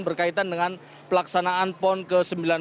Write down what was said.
berkaitan dengan pelaksanaan pon ke sembilan belas